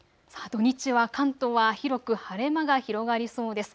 土日は関東は広く晴れ間が広がりそうです。